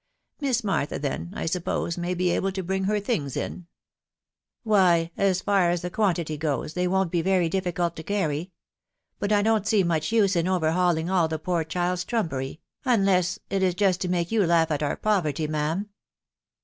Miss Martha then, I suppose, may be able to bring her things in." " Why, as far as the quantity goes, they won't be very dif ficult to carry. But I don't see much use in overhauling all the poor child's trumpery .... unless it is just to make you laugh at our poverty, ma'am."